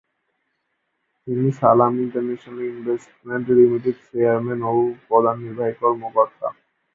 তিনি Salam international investment লিমিটেডের chairman ও প্রধান নির্বাহী কর্মকর্তা।